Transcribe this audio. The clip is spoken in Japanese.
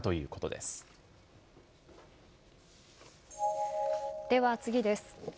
では次です。